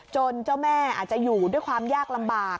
เจ้าแม่อาจจะอยู่ด้วยความยากลำบาก